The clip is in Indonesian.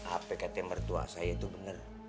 apkt mertua saya itu benar